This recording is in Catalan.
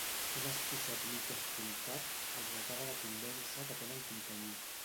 Un estossec mig estroncat els acaba de convèncer que tenen companyia.